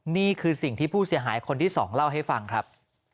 นี่คือสิ่งที่ผู้เสียหายคนที่๒เล่าให้ฟังครับ